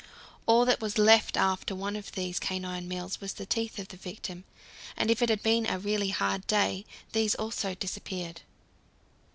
All that was left after one of these canine meals was the teeth of the victim and if it had been a really hard day, these also disappeared.